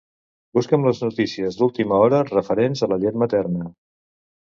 Busca'm les notícies d'última hora referents a la llet materna.